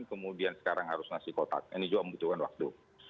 kemudian sekarang harus ngasih kotak ini juga membutuhkan waktu